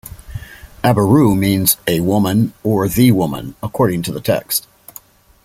"Aberu" means "a woman" or "the woman" according to the context.